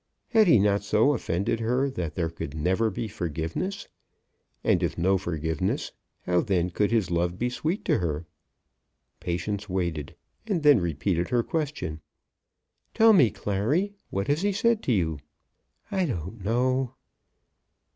Had he not so offended her that there could never be forgiveness? And if no forgiveness, how then could his love be sweet to her? Patience waited, and then repeated her question. "Tell me, Clary; what has he said to you?" "I don't know."